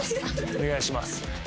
お願いします